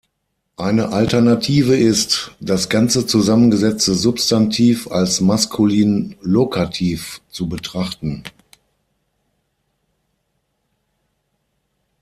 Eine Alternative ist, das ganze zusammengesetzte Substantiv als maskulinen Lokativ zu betrachten.